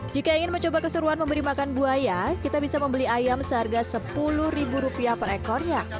jika ingin mencoba keseruan memberi makan buaya kita bisa membeli ayam seharga sepuluh ribu rupiah per ekornya